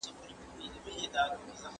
¬ غل په غره کي نه ځائېږي.